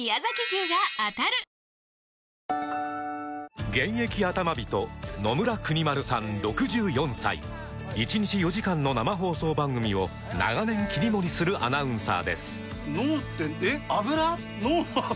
人野村邦丸さん６４歳１日４時間の生放送番組を長年切り盛りするアナウンサーです